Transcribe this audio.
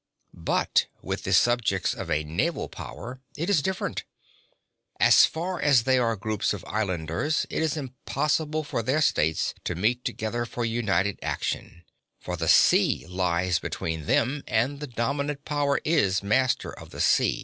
But with the subjects of a naval power it is different. As far as they are groups of islanders it is impossible for their states to meet together for united action, for the sea lies between them, and the dominant power is master of the sea.